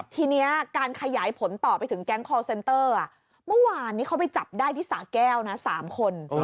ทีนี้การขยายผลต่อไปถึงแก๊งคอร์เซนเตอร์เมื่อวานนี้เขาไปจับได้ที่สาแก้วนะ๓คน